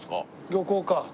漁港か。